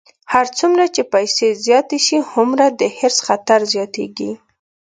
هر څومره چې پیسې زیاتې شي، هومره د حرص خطر زیاتېږي.